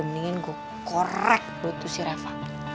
mendingan gue correk buat si reva